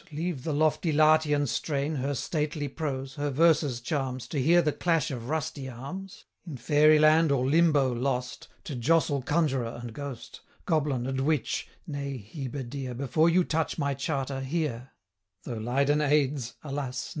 leave the lofty Latian strain, Her stately prose, her verse's charms, To hear the clash of rusty arms: In Fairy Land or Limbo lost, To jostle conjurer and ghost, 140 Goblin and witch!' Nay, Heber dear, Before you touch my charter, hear; Though Leyden aids, alas!